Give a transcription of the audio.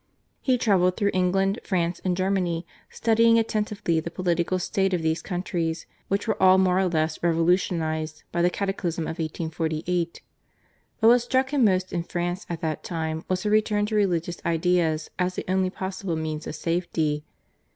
He travelled through England, France, and Germany, studying attentively the political state of these countries, which were all more or less revolutionized by the cataclysm of 1848. But what struck him most in France at that time was her return to religious ideas as the only possible means of safety.